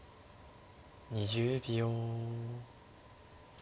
２０秒。